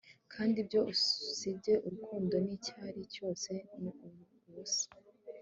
kandi ibyo, usibye urukundo nicyari, byose ni ubusa